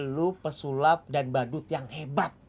lu pesulap dan badut yang hebat